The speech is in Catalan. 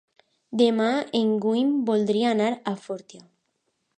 Demà en Guim voldria anar a Fortià.